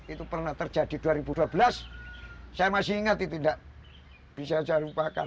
itu pernah terjadi dua ribu dua belas saya masih ingat itu tidak bisa saya lupakan